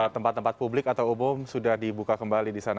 tempat tempat publik atau umum sudah dibuka kembali di sana